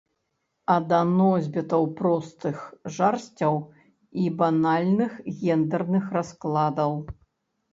А да носьбітаў простых жарсцяў і банальных гендэрных раскладаў.